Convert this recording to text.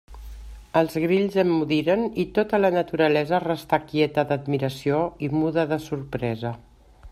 Els grills emmudiren i tota la naturalesa restà quieta d'admiració i muda de sorpresa.